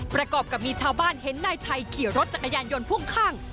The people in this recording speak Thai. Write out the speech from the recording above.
ประกอบกับมีชาวบ้านเห็นนายชัยขี่รถจักรยานยนต์พ่วงข้าง